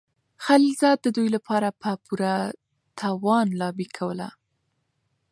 خلیلزاد د دوی لپاره په پوره توان لابي کوله.